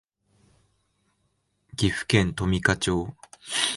岐阜県富加町